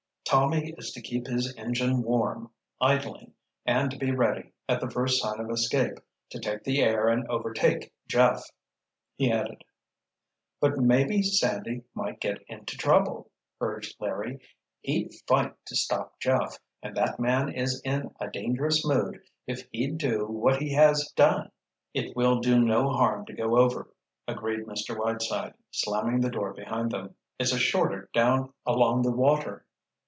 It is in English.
"Tommy is to keep his engine warm, idling, and to be ready, at the first sign of escape, to take the air and overtake Jeff," he added. "But maybe Sandy might get into trouble," urged Larry. "He'd fight to stop Jeff, and that man is in a dangerous mood if he'd do what he has done." "It will do no harm to go over," agreed Mr. Whiteside, slamming the door behind them. "It's shorter down along the water."